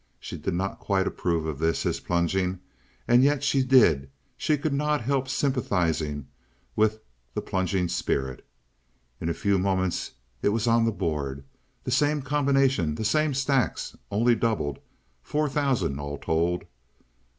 She did not quite approve of this—his plunging—and yet she did; she could not help sympathizing with the plunging spirit. In a few moments it was on the board—the same combination, the same stacks, only doubled—four thousand all told.